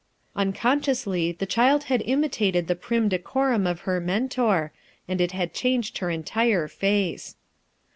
Unconsciously the child had imitated the prim decorum of her Mentor, and it had changed her entire face.